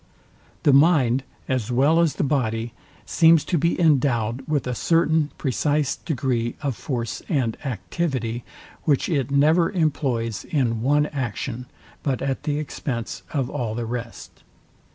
The mind, as well as the body, seems to be endowed with a certain precise degree of force and activity, which it never employs in one action, but at the expense of all the rest.